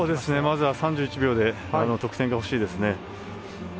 まず、３１秒で得点が欲しいですね。